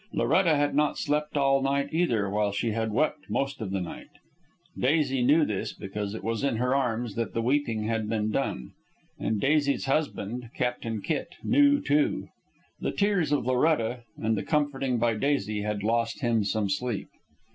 Loretta had not slept all night either, while she had wept most of the night. Daisy knew this, because it was in her arms that the weeping had been done. And Daisy's husband, Captain Kitt, knew, too. The tears of Loretta, and the comforting by Daisy, had lost him some sleep.